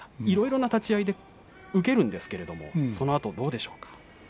いろいろな立ち合い受けるんですけれどもそのあと、どうでしょう。